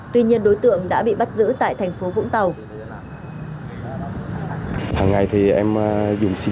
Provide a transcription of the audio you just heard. tuy nhiên đối tượng đã bị bắt giữ tại thành phố vũng tàu